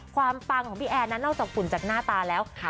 ความปังของพี่แอนน่ะนอกจากขุนจากหน้าตาแล้วครับ